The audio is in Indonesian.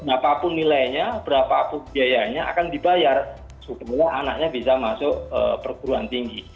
apapun nilainya berapa biayanya akan dibayar supaya anaknya bisa masuk perguruan tinggi